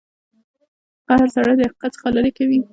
قهر سړی د حقیقت څخه لرې کوي.